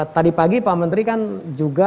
tadi pagi pak menteri kan juga